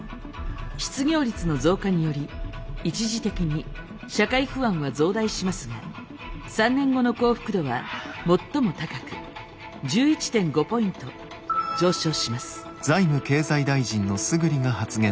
失業率の増加により一時的に社会不安は増大しますが３年後の幸福度は最も高く１１．５ポイント上昇します。